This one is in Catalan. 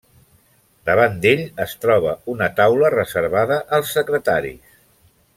Davant d'ell, es troba una taula reservada als secretaris.